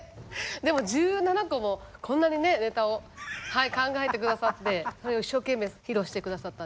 でも１７個もこんなにねネタを考えて下さってそれを一生懸命披露して下さったんですごいうれしかったですし。